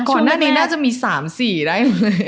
ก่อนหน้านี้น่าจะมี๓๔ได้เลย